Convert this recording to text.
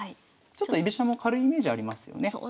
ちょっと居飛車も軽いイメージありますよね。